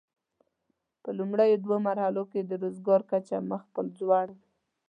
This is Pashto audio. په لومړیو دوو مرحلو کې د روزګار کچه مخ پر ځوړ وي.